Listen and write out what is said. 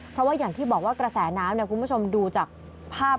เพราะว่าอย่างที่บอกว่ากระแสน้ำคุณผู้ชมดูจากภาพ